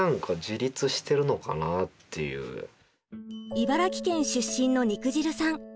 茨城県出身の肉汁さん。